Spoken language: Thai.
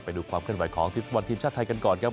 ไปดูความเคลื่อนไหวของทีมฟุตบอลทีมชาติไทยกันก่อนครับ